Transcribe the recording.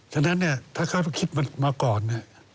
ฉะนั้นเนี่ยถ้าเขาคิดมาก่อนเนี่ย